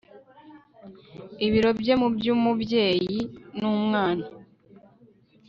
ibiro bye mu by'umubyeyi n'umwana